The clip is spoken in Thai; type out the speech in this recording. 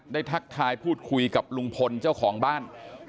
ทักทายพูดคุยกับลุงพลเจ้าของบ้าน